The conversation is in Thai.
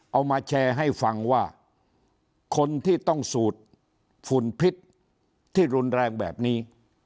เอามาแชร์ให้ฟังว่าคนที่ต้องสูดฝุ่นพิษที่รุนแรงแบบนี้